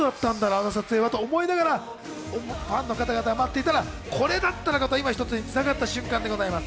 あの撮影は？と思いながら、ファンの方々が待っていたら、これだったんだと、いま一つにつながった瞬間です。